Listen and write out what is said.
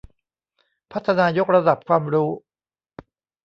พัฒนายกระดับความรู้